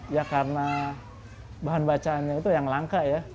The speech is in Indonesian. ya karena bahan bacaannya itu yang langka ya